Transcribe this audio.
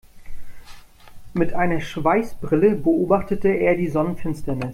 Mit einer Schweißbrille beobachtete er die Sonnenfinsternis.